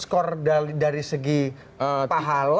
skor dari segi pahala